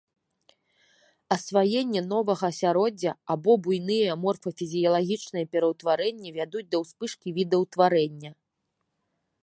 Асваенне новага асяроддзя або буйныя морфафізіялагічныя пераўтварэнні вядуць да ўспышкі відаўтварэння.